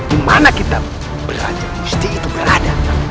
di mana kita beraja musti itu berada